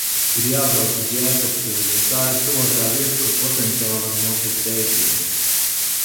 Ir jābrauc uz Jēkabpili, jo tā ir tuvākā vieta, kur potenciāli var nopirkt ēdienu.